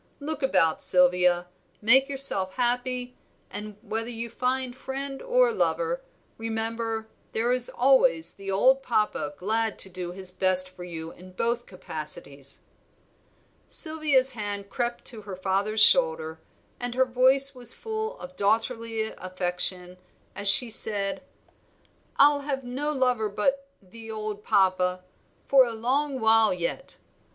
Look about, Sylvia, make yourself happy; and, whether you find friend or lover, remember there is always the old Papa glad to do his best for you in both capacities." Sylvia's hand crept to her father's shoulder, and her voice was full of daughterly affection, as she said "I'll have no lover but 'the old Papa' for a long while yet.